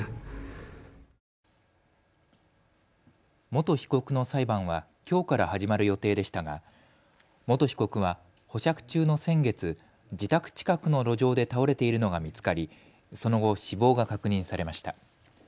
元被告の裁判はきょうから始まる予定でしたが元被告は保釈中の先月自宅近くの路上で倒れているのが見つかり、その後、死亡が確認されました。